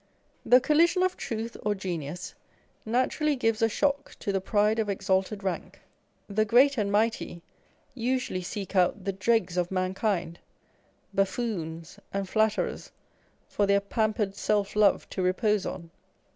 The collision of truth or genius naturally gives a shock to the pride of exalted rank : the great and mighty usually seek out the dregs of mankind, buffoons and flatterers, for their pampered self love to repose on.